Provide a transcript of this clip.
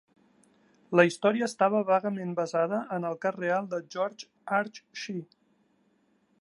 La història estava vagament basada en el cas real de George Archer-Shee.